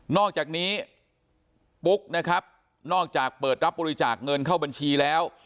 อกจากนี้ปุ๊กนะครับนอกจากเปิดรับบริจาคเงินเข้าบัญชีแล้ว